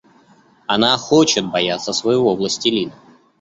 Она хочет бояться своего властелина.